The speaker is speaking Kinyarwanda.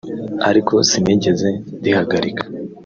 ariko sinigeze ndihagarika